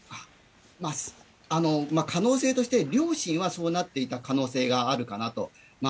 可能性として両親はそうなっていた可能性があるかなと。